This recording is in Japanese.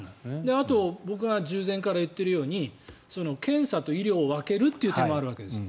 あと、僕が従前から言っているように検査と医療を分けるっていう手もあるわけです。